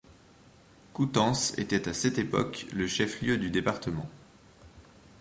Coutances était à cette époque le chef-lieu du département.